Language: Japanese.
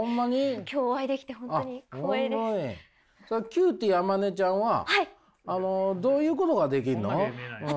キューティー天希ちゃんはどういうことができるの？